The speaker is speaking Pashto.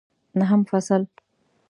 نهم فصل